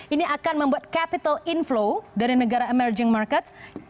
ini akan membuat capital inflow dari negara emerging markets